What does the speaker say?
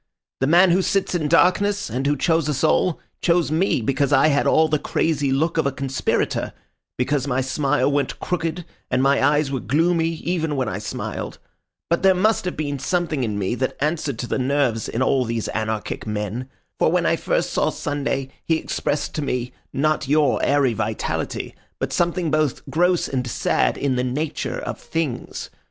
The man who sits in darkness, and who chose us all, chose me because I had all the crazy look of a conspirator—because my smile went crooked, and my eyes were gloomy, even when I smiled. But there must have been something in me that answered to the nerves in all these anarchic men. For when I first saw Sunday he expressed to me, not your airy vitality, but something both gross and sad in the Nature of Things.